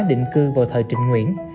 định cư vào thời trịnh nguyễn